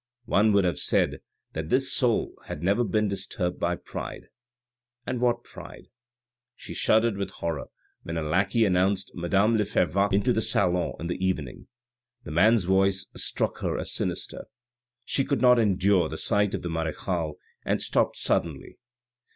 One would have said that this soul had never been disturbed by pride (and what pride !) She shuddered with horror when a lackey announced madame le Fervaques into the salon in the evening. The man's voice struck her as sinister. She could not endure the sight of the marechale, and stopped suddenly.